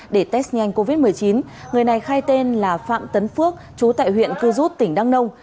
để test nhanh covid một mươi chín người này khai tên là phạm tấn phước chú tại huyện cư rút tỉnh đăng nông